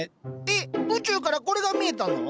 えっ宇宙からこれが見えたの？